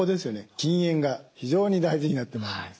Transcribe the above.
禁煙が非常に大事になってまいります。